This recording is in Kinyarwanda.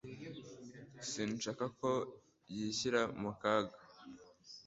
Sinshaka ko wishyira mu kaga.